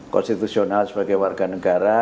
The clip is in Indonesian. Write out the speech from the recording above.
konstitusional sebagai warga negara